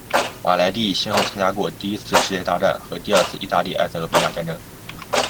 马莱蒂先后参加过第一次世界大战和第二次意大利埃塞俄比亚战争。